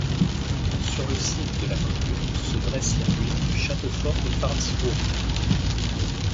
Sur le site de la commune se dresse les ruines du château-fort de Farnsburg.